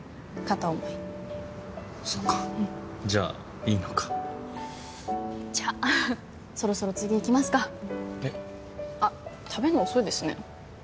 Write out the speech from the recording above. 片思いそっかじゃあいいのかじゃあそろそろ次行きますかえっあっ食べんの遅いですね